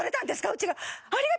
うちが。